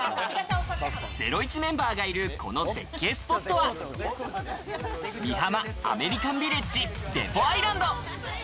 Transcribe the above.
ゼロイチメンバーがいる、この絶景スポットは美浜アメリカンビレッジデポアイランド。